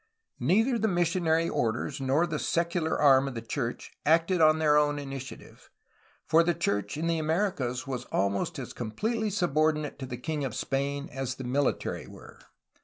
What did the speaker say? Neither the missionary orders nor the secular arm of the church acted on their own initiative, for the church in the Americas was almost as completely subordinate to the king of Spain as the military were.